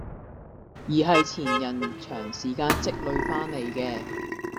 而係前人長時間累積返嚟嘅